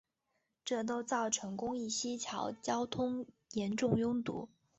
这都造成公益西桥交通严重拥堵。